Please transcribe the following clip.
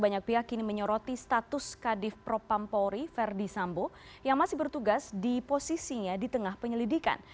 yang masih bertugas di posisinya di tengah penyelidikan